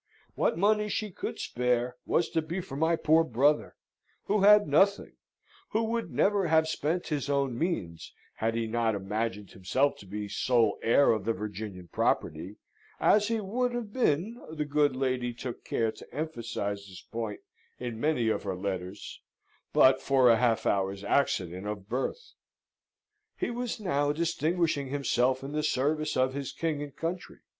What money she could spare was to be for my poor brother, who had nothing, who would never have spent his own means had he not imagined himself to be sole heir of the Virginian property, as he would have been the good lady took care to emphasise this point in many of her letters but for a half hour's accident of birth. He was now distinguishing himself in the service of his king and country.